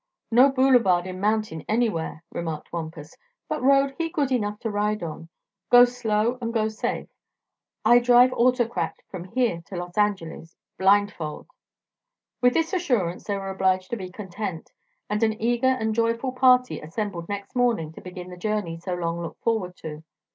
"No boulevard in mountain anywhere," remarked Wampus; "but road he good enough to ride on. Go slow an' go safe. I drive 'Autocrat' from here to Los Angeles blindfold." With this assurance they were obliged to be content, and an eager and joyful party assembled next morning to begin the journey so long looked forward to.